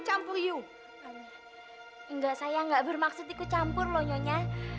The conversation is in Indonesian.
sampai jumpa di video selanjutnya